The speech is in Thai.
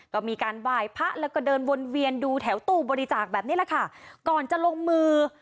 ก็มีการไหว้พระแล้วก็เดินวนเวียนดูแถวตู้บริจาคแบบนี้แหละค่ะก่อนจะลงมือ